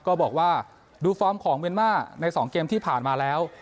ก็บอกว่าดูฟอร์มของเมียนมาร์ใน๒เกมที่ผ่านมาแล้ว